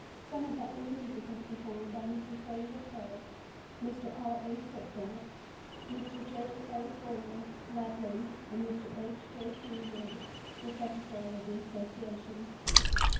Some of Butler's music was performed by Miss Grainger Kerr, Mr. R. A. Streatfeild, Mr. J. A. Fuller Maitland and Mr. H. J. T. Wood, the Secretary of the Association.